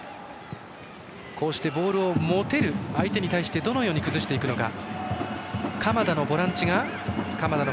こうしてボールを持てる相手に対して、どうやって崩していくのか。